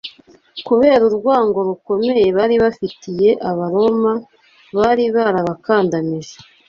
Kubera urwango rukomeye bari bafitiye Abaroma bari barabakandamije